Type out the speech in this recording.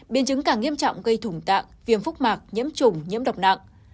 biến chứng càng nghiêm trọng gây thủng tạng viêm phúc mạc nhiễm trùng nhiễm độc nặng